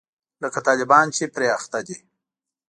لکه طالبان چې پرې اخته دي.